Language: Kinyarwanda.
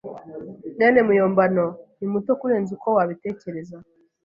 mwene muyombano ni muto kurenza uko wabitekereza.